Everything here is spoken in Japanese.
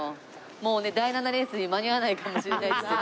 もうね第７レースに間に合わないかもしれないっつってね。